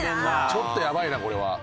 ちょっとやばいなこれは。